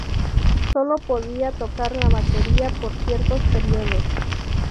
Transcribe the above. Sólo podía tocar la batería por ciertos períodos.